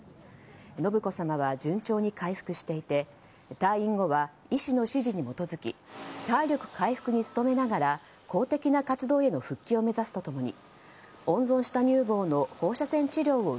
信子さまは順調に回復していて退院後は、医師の指示に基づき体力回復に努めながら公的な活動への復帰を目指すと共に温存した乳房の放射線治療を